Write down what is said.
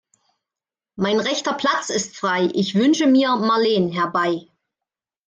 Mein rechter Platz ist frei, ich wünsche mir Marleen herbei.